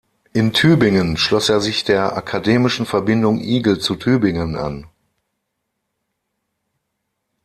In Tübingen schloss er sich der Akademischen Verbindung Igel zu Tübingen an.